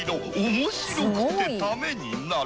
面白くてためになる。